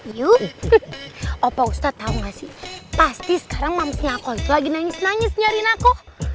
iya opo ustadz tau gak sih pasti sekarang mamsnya aku lagi nangis nangis nyariin aku